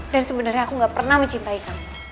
dan sebenarnya aku gak pernah mencintai kamu